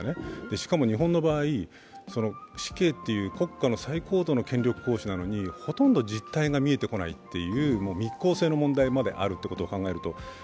しかも日本の場合、死刑という国家の最高度の権力行使なのにほとんど実態が見えてこないという、密行性の問題もある。